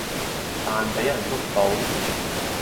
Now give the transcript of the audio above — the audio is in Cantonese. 但畀人捉到